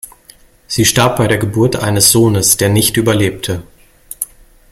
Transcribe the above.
Sie starb bei der Geburt eines Sohnes, der nicht überlebte.